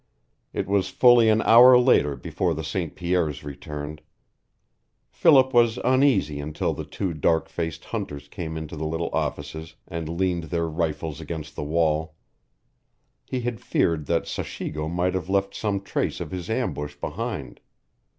It was fully an hour later before the St. Pierres returned. Philip was uneasy until the two dark faced hunters came into the little office and leaned their rifles against the wall. He had feared that Sachigo might have left some trace of his ambush behind.